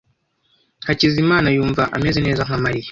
Hakizimana yumva ameze neza nka Mariya.